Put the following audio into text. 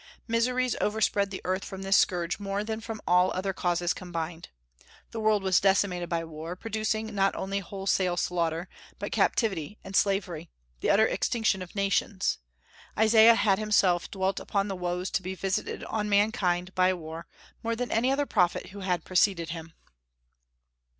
Miseries overspread the earth from this scourge more than from all other causes combined. The world was decimated by war, producing not only wholesale slaughter, but captivity and slavery, the utter extinction of nations. Isaiah had himself dwelt upon the woes to be visited on mankind by war more than any other prophet who had preceded him.